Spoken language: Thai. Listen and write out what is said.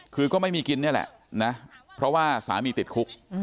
คือก็ไม่มีกินนี่แหละนะเพราะว่าสามีติดคุก